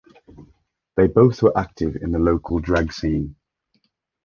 They both were active in the local drag scene.